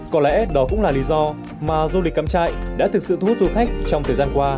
có lẽ đó cũng là lý do mà du lịch cắm trại đã thực sự thu hút du khách trong thời gian qua